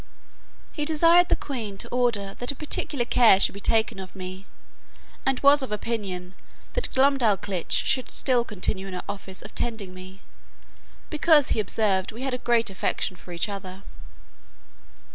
He desired the queen to order that a particular care should be taken of me; and was of opinion that Glumdalclitch should still continue in her office of tending me, because he observed we had a great affection for each other.